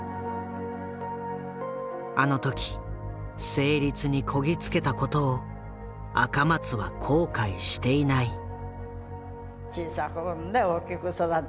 あのとき成立にこぎ着けたことを赤松は後悔していない。